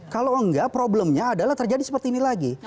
kalau enggak problemnya adalah terjadi seperti ini lagi